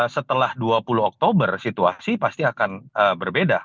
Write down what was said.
setelah dua puluh oktober situasi pasti akan berbeda